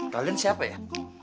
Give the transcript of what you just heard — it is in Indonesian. kalian siapa ya